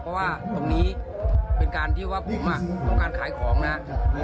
เพราะว่าตรงนี้เป็นการที่ว่าผมต้องการขายของนะครับ